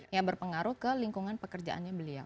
yang berpengaruh ke lingkungan pekerjaannya beliau